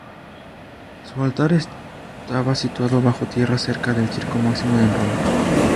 Su altar estaba situado bajo tierra cerca del Circo Máximo en Roma.